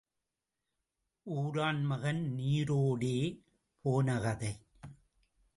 ஊரான் மகன் நீரோடே போன கதை.